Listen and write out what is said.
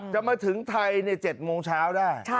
จะมาถึงไทย๗โมงเช้าได้